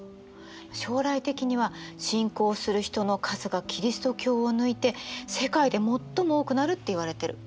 将来的には信仰する人の数がキリスト教を抜いて世界で最も多くなるっていわれてる。